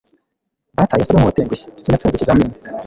data yasaga nkuwatengushye sinatsinze ikizamini